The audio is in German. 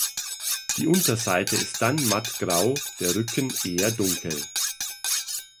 Die Unterseite ist dann matt grau, der Rücken eher dunkel.